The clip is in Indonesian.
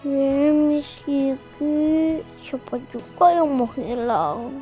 yee meskiki siapa juga yang mau hilang